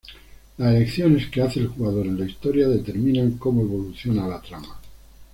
Las elecciones que hace el jugador en la historia determinan cómo evoluciona la trama.